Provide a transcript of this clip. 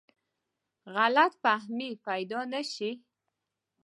غلط فهمۍ پیدا نه شي.